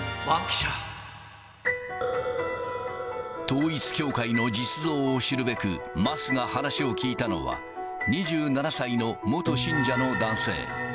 統一教会の実像を知るべく、桝が話を聞いたのは、２７歳の元信者の男性。